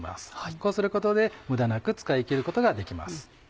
こうすることで無駄なく使い切ることができます。